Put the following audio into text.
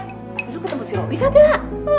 tapi lu ketemu si robi kagak